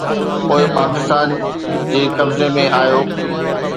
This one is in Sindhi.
پوءِ پاڪستان جي قبضي ۾ آيو